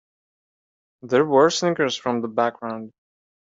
There were snickers from the background.